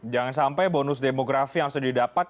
jangan sampai bonus demografi yang sudah didapat